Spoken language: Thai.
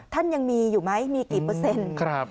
ท่านยังมีอยู่ไหมมีกี่เปอร์เซ็นต์